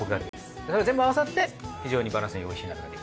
だから全部合わさって非常にバランスのいいおいしい鍋ができる。